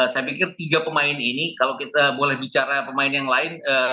saya pikir tiga pemain ini kalau kita boleh bicara pemain yang lain